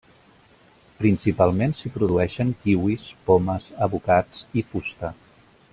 Principalment s'hi produeixen kiwis, pomes, avocats i fusta.